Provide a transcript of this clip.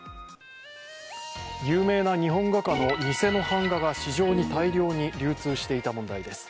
有名な日本画家の偽の版画が市場に大量に流通していた問題です。